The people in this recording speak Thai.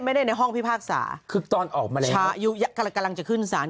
ไม่ได้ในห้องพิพากษาคึกตอนออกมาแล้วกำลังจะขึ้นศาสตร์